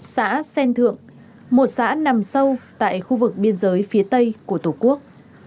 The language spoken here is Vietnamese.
xã sen thượng một xã nằm sâu tại khu vực biên giới phía tây của tổ quốc